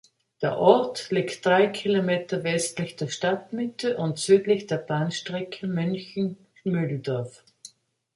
Der Ort liegt drei Kilometer westlich der Stadtmitte und südlich der Bahnstrecke München–Mühldorf.